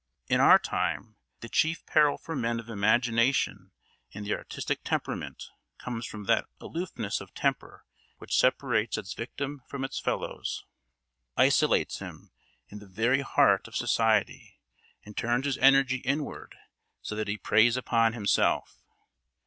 In our time the chief peril for men of imagination and the artistic temperament comes from that aloofness of temper which separates its victim from his fellows, isolates him in the very heart of society, and turns his energy inward so that he preys upon himself.